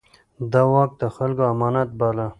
ده واک د خلکو امانت باله.